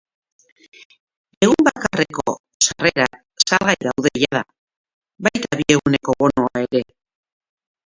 Egun bakarrerako sarrerak salgai daude jada, baita bi eguneko bonua ere.